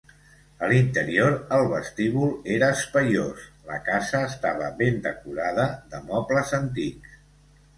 A l'interior, el vestíbul era espaiós, la casa estava ben decorada de mobles antics.